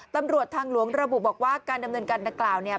ตำรวจทางหลวงระบุบอกว่าการดำเนินการดังกล่าวเนี่ย